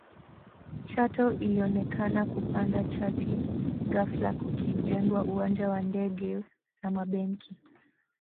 Chato ilionekana kupanda chati ghafla kukijengwa uwanja wa ndege na mabenki